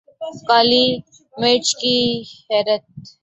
کالی مرچ کے حیرت